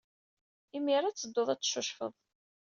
Imir-a ad teddud ad teccucfed.